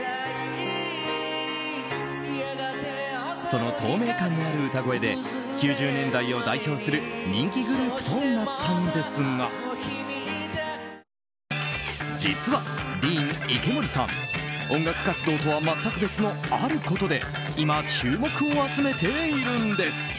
その透明感のある歌声で９０年代を代表する人気グループとなったんですが実は、ＤＥＥＮ池森さん音楽活動とは全く別のあることで今、注目を集めているんです。